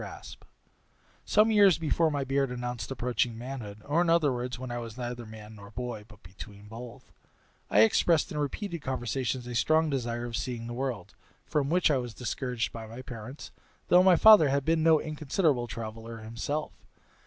Raspe Some years before my beard announced approaching manhood, or, in other words, when I was neither man nor boy, but between both, I expressed in repeated conversations a strong desire of seeing the world, from which I was discouraged by my parents, though my father had been no inconsiderable traveller himself.